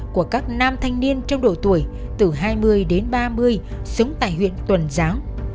của các nam thanh niên trong độ tuổi từ hai mươi đến ba mươi sống tại huyện tuần giáo